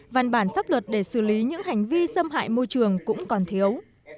văn bản pháp luật để xử lý những hành vi xâm hại môi trường cũng còn thiếu